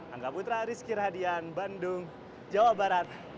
angga putra rizky rahadian bandung jawa barat